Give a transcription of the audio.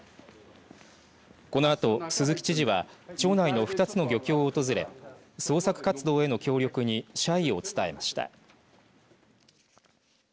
このあと鈴木知事は町内の２つの漁協を訪れ捜索活動への協力に謝意を伝えました。